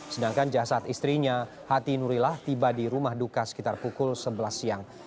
sedangkan jasad istrinya hati nurillah tiba di rumah duka sekitar pukul sebelas siang